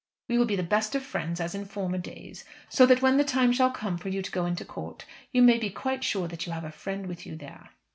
We will be the best of friends, as in former days, so that when the time shall have come for you to go into court, you may be quite sure that you have a friend with you there."